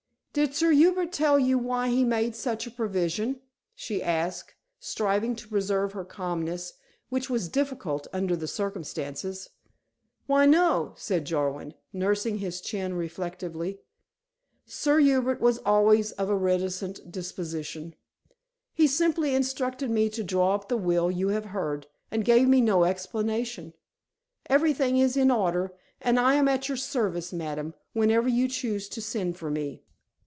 "Did Sir Hubert tell you why he made such a provision?" she asked, striving to preserve her calmness, which was difficult under the circumstances. "Why, no," said Jarwin, nursing his chin reflectively. "Sir Hubert was always of a reticent disposition. He simply instructed me to draw up the will you have heard, and gave me no explanation. Everything is in order, and I am at your service, madam, whenever you choose to send for me."